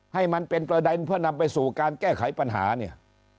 ให้มันเป็นประเด็นเพื่อนำไปสู่การแก้ไขปัญหาเนี่ย